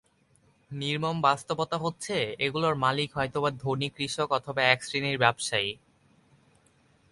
নির্মম বাস্তবতা হচ্ছে, এগুলোর মালিক হয়তোবা ধনী কৃষক অথবা একশ্রেণির ব্যবসায়ী।